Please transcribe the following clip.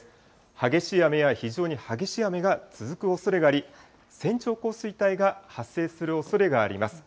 激しい雨や非常に激しい雨が続くおそれがあり、線状降水帯が発生するおそれがあります。